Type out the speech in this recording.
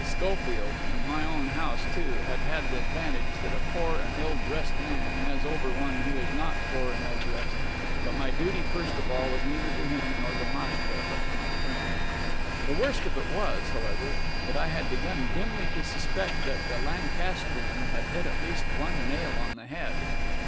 Schofield in my own house too had had the advantage that a poor and ill dressed man has over one who is not poor and ill dressed; but my duty first of all was neither to him nor to Maschka, but to my friend. The worst of it was, however, that I had begun dimly to suspect that the Lancastrian had hit at least one nail on the head.